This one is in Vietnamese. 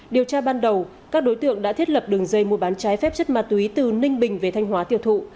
điều tra ban đầu các đối tượng đã thiết lập đường dây mua bán trái phép chất ma túy từ ninh bình về thanh hóa tiêu thụ